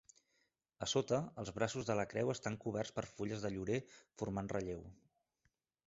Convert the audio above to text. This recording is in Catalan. A sota, els braços de la creu estan coberts per fulles de llorer formant relleu.